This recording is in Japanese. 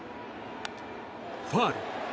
ファウル。